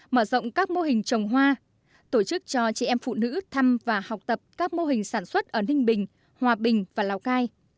mở rộng các mô hình trồng hoa tổ chức cho chị em phụ nữ thăm và học tập các mô hình sản xuất ở ninh bình hòa bình và lào cai